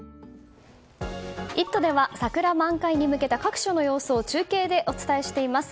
「イット！」では桜満開に向けた各所の様子を中継でお伝えしています。